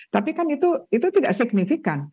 tapi kan itu tidak signifikan